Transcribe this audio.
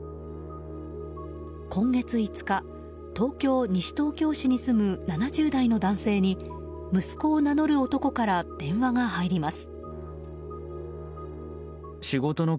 今月５日、東京・西東京市に住む７０代の男性に息子を名乗る男から電話が入ります。